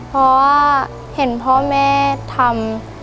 เพราะว่าเห็นพ่อแม่ทำ